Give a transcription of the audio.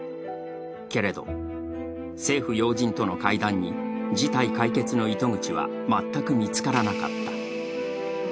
けれど、政府要人との会談に事態解決の糸口は全く見つからなかった。